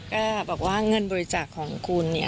ก็บอกว่าเงินบริจาคของคุณ